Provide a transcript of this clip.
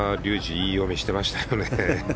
いい読みしてましたね。